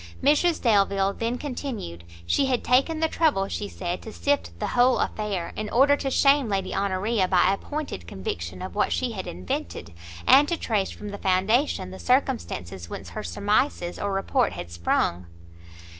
Mrs Delvile then continued; she had taken the trouble, she said, to sift the whole affair, in order to shame Lady Honoria by a pointed conviction of what she had invented, and to trace from the foundation the circumstances whence her surmises or report had sprung.